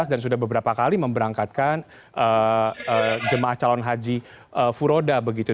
dan sudah beberapa kali memberangkatkan jemaah calon haji furoda begitu